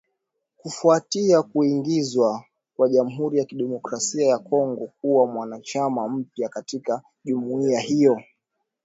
Kufuatia kuingizwa kwa Jamhuri ya Kidemokrasi ya Kongo kuwa mwanachama mpya katika jumuiya hiyo.